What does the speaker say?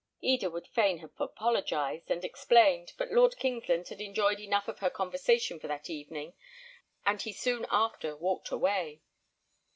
Eda would fain have apologised and explained, but Lord Kingsland had enjoyed enough of her conversation for that evening, and he soon after walked away.